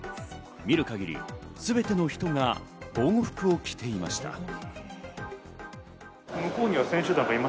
見る限りすべての人が防護服を着ていました。